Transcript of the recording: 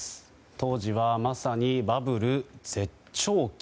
当時は、まさにバブル絶頂期。